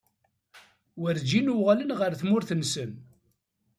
Werǧin uɣalen ɣer tmurt-nsen.